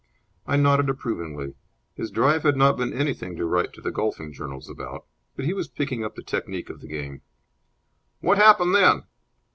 I nodded approvingly. His drive had not been anything to write to the golfing journals about, but he was picking up the technique of the game. "What happened then?"